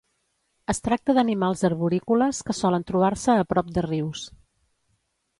Es tracta d'animals arborícoles que solen trobar-se a prop de rius.